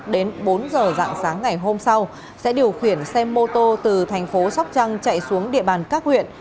đến bốn giờ dạng sáng ngày hôm sau sẽ điều khiển xe mô tô từ thành phố sóc trăng chạy xuống địa bàn các huyện